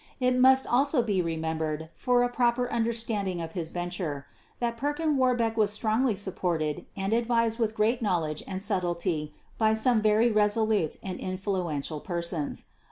It must also be remembered for a proper understanding of his venture, that Perkin Warbeck was strongly supported and advised with great knowledge and subtlety by some very resolute and influential persons.